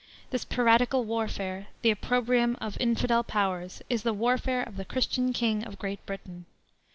This piratical warfare, the opprobrium of infidel powers, is the warfare of the Christian king of Great Britain.